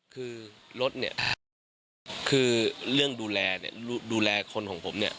คือรถเนี่ยคือเรื่องดูแลเนี่ยดูแลดูแลคนของผมเนี่ย